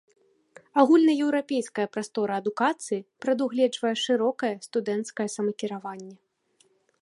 Агульнаеўрапейская прастора адукацыі прадугледжвае шырокае студэнцкае самакіраванне.